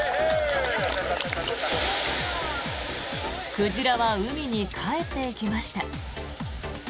鯨は海に帰っていきました。